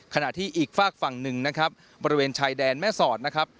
ขณะที่อีกฝากฝั่งหนึ่งนะครับบริเวณชายแดนแม่สอดนะครับ